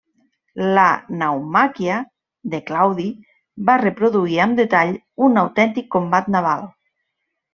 La naumàquia de Claudi va reproduir amb detall un autèntic combat naval.